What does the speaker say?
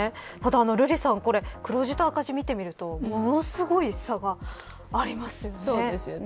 瑠麗さん黒字と赤字を見てみるとものすごい差がありますよね。